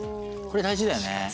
これ大事だよね。